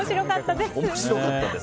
面白かったです。